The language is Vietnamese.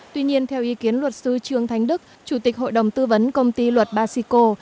tuy nhiên theo ý kiến luật sư trương thanh đức chủ tịch hội đồng tư vấn công ty luật basico